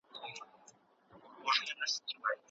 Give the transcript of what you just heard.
تل یې لاس د خپل اولس په وینو سور وي.